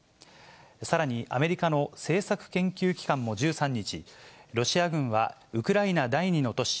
さらにアメリカの政策研究機関も１３日、ロシア軍はウクライナ第２の都市